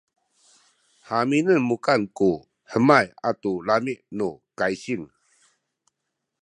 haminen mukan ku hemay atu lami’ nu kaysing